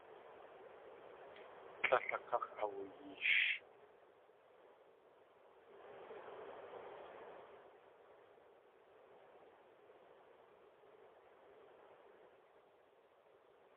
Tlél a káx̲ awuyeesh.